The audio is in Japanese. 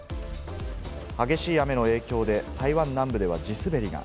激しい雨の影響で台湾南部では地滑りが。